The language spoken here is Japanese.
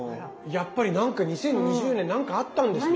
やっぱり何か２０２０年何かあったんですね。